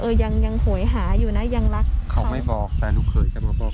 ยังยังโหยหาอยู่นะยังรักเขาไม่บอกแต่ลูกเคยจะมาบอก